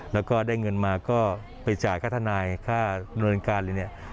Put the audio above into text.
แล้วก็ได้เงินมาก็ไปจ่ายค่าธนายค่าบริเวณการณ์